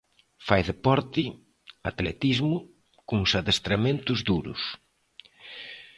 Fai deporte, atletismo, cuns adestramentos duros.